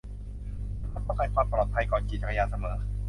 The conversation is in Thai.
ฉันมักป้องกันความปลอดภัยก่อนขี่จักรยานเสมอ